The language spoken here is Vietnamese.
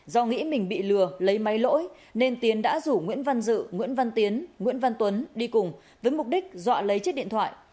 do nghĩ mình bị lừa lấy máy lỗi nên tiến đã rủ nguyễn văn dự nguyễn văn tiến nguyễn văn tuấn đi cùng với mục đích dọa lấy chiếc điện thoại